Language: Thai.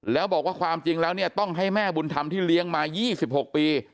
แล้วบอกว่าความจริงแล้วเนี่ยต้องให้แม่บุญธรรมที่เลี้ยงมา๒๖ปี